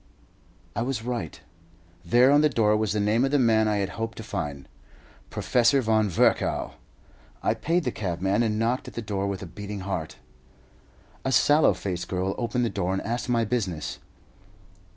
I was right. There on the door was the name of the man I had hoped to find Professor Von Virchow. I paid the cabman, and knocked at the door with a beating heart. A sallow faced girl opened the door, and asked my business.